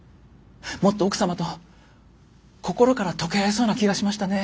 もっと奥様と心からとけ合えそうな気がしましたね。